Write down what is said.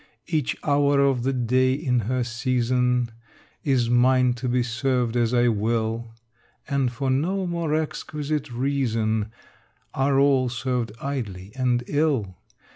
Each hour of the day in her season Is mine to be served as I will: And for no more exquisite reason Are all served idly and ill.